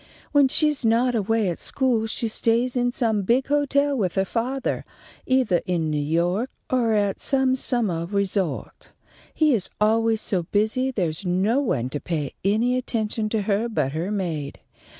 When she's not away at school she stays in some big hotel with her fathah, eithah in New York or at some summah resort. He is always so busy there's no one to pay any attention to her but her maid.